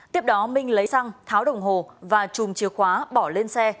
tiếp đó minh lấy xăng tháo đồng hồ và chùm chìa khóa bỏ lên xe